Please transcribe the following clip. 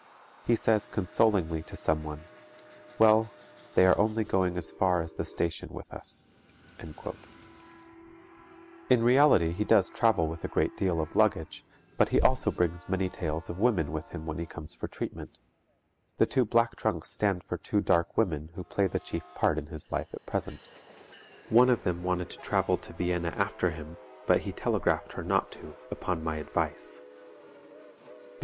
He says, consolingly, to someone, 'Well, they are only going as far as the station with us.'_" In reality he does travel with a great deal of luggage, but he also brings many tales of women with him when he comes for treatment. The two black trunks stand for two dark women who play the chief part in his life at present. One of them wanted to travel to Vienna after him, but he telegraphed her not to, upon my advice.